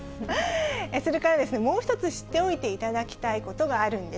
それからですね、もう一つ知っておいていただきたいことがあるんです。